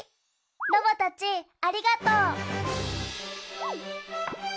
ロボたちありがとう。